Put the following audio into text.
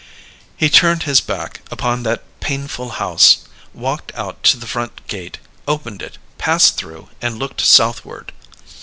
He turned his back upon that painful house, walked out to the front gate, opened it, passed through, and looked southward.